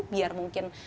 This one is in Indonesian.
biar mungkin lebih canggih